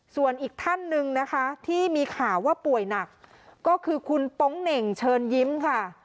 ส่วนอีกท่านหนึ่งนะคะที่มีข่าวว่าป่วยหนักก็คือคุณโป๊งเหน่งเชิญยิ้มค่ะ